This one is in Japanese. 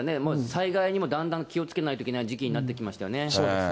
災害にもだんだん気をつけないといけない時期になってきましたよ